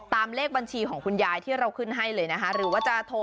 เลขบัญชีของคุณยายที่เราขึ้นให้เลยนะคะหรือว่าจะโทร